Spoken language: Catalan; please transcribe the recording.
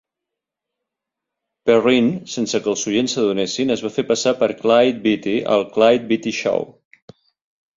Perrin, sense que els oients s'adonessin, es va fer passar per Clyde Beatty al "Clyde Beatty Show".